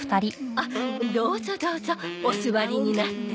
あっどうぞどうぞお座りになって。